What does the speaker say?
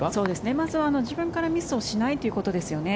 まず、自分からミスをしないということですよね。